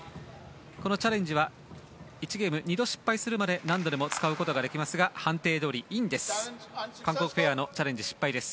このチャレンジは１ゲーム２度失敗するまで何度でも使うことができますが判定どおり、インです。